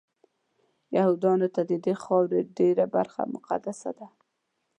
یهودانو ته ددې خاورې ډېره برخه مقدسه ده.